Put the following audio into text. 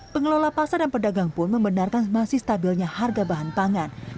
pengelola pasar dan pedagang pun membenarkan masih stabilnya harga bahan pangan